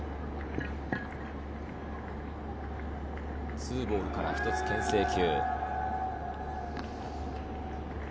２ボールから一つけん制球。